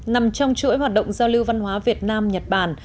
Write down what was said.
nằm trong chuỗi hoạt động giao lưu văn hóa việt nam nhật bản